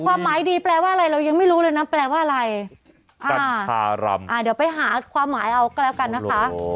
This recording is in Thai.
ว่าอะไรอ่าอ่าเดี๋ยวไปหาความหมายเอากันแล้วกันนะคะ